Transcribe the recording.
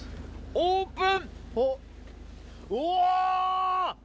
オープン！